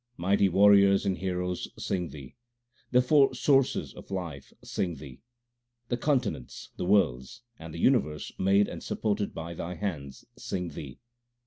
Mighty warriors and heroes sing Thee ; the four sources of life sing Thee. The continents, the worlds, and the universe made and supported by Thy hands sing Thee.